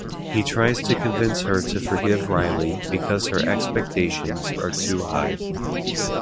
He tries to convince her to forgive Riley because her expectations are too high.